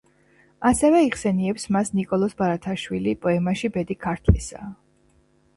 ასევე იხსენიებს მას ნიკოლოზ ბარათაშვილი პოემაში „ბედი ქართლისა“.